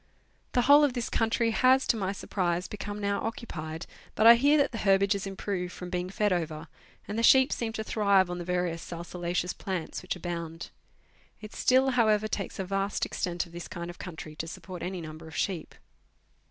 The whole of this country has, to my surprise, become now occupied, but I hear that the herbage has improved from being fed over, and the sheep seem to thrive on the various salsolaceous plants which abound. It still, however takes a vast extent of this kind of country to support any number of sheep.